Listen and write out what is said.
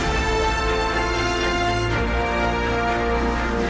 sebagai sebuah alat alat incorfficiency ini akan mengatakan bahwa